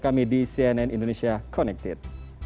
kami di cnn indonesia connected